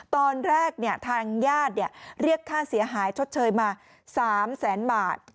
ตอนแรกทางญาติเรียกค่าเสียหายชดเชยมา๓แสนบาท